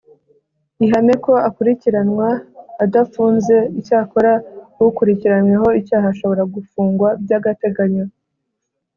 ihame ko akurikiranwa adafunze Icyakora ukurikiranyweho icyaha ashobora gufungwa by agateganyo